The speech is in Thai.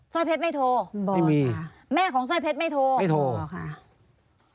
สร้อยเพชรไม่โทรไม่มีแม่ของสร้อยเพชรไม่โทรไม่โทร